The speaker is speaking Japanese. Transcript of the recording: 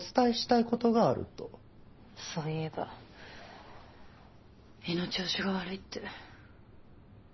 そういえば胃の調子が悪いって。